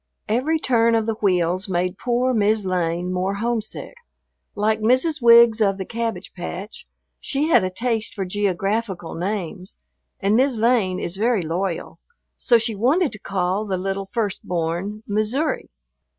Every turn of the wheels made poor "Mis' Lane" more homesick. Like Mrs. Wiggs of the Cabbage Patch, she had a taste for geographical names, and "Mis' Lane" is very loyal, so she wanted to call the little first born "Missouri."